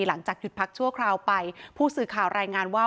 หลังจากหยุดพักชั่วคราวไปผู้สื่อข่าวรายงานว่า